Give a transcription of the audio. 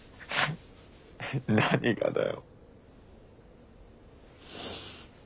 何がだよ？